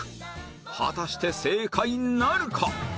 果たして正解なるか？